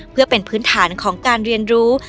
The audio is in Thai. เพื่อเป็นพื้นฐานของการเรียนรู้